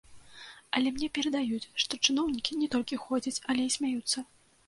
Але мне перадаюць, што чыноўнікі не толькі ходзяць, але і смяюцца.